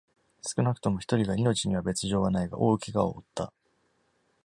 少なくとも一人が、命には別条はないが、大けがを負った。